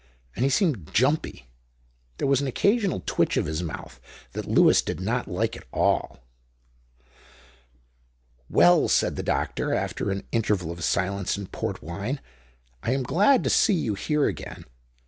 And he seemed "jumpy"; there was an occasional twitch of his mouth that Lewis did not like at all. "Well," said the doctor, after an interval of silence and port wine, "I am glad to see you here again.